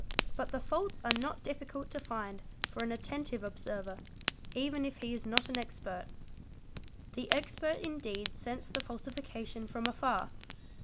But the faults are not difficult to find for an attentive observer, even | if he is not an expert. The expert indeed scents the falsification from afar.